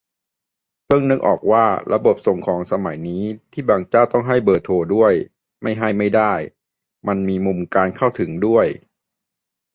เพิ่งนึกออกว่า ระบบส่งของสมัยนี้ที่บางเจ้าต้องให้เบอร์โทรด้วย ไม่ให้ไม่ได้ มันมีมุมการเข้าถึงด้วย